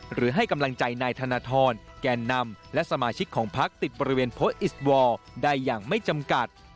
หรือให้กำลังใจนายธนทรแกนนำและสมาชิกของพักติดบริเวณโพสต์อิสวอร์ได้อย่างไม่จำกัด